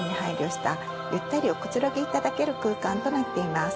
ゆったりおくつろぎいただける空間となっています。